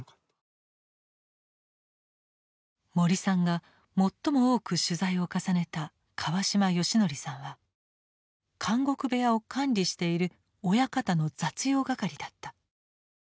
森さんが最も多く取材を重ねた川島良徳さんは「監獄部屋」を管理している親方の雑用係だった。